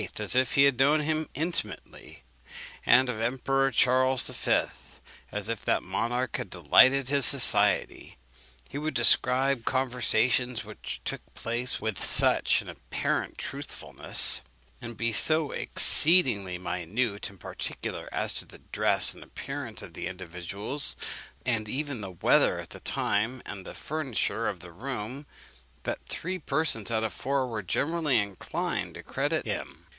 as if he had known him intimately, and of the Emperor Charles V. as if that monarch had delighted in his society. He would describe conversations which took place with such an apparent truthfulness, and be so exceedingly minute and particular as to the dress and appearance of the individuals, and even the weather at the time and the furniture of the room, that three persons out of four were generally inclined to credit him.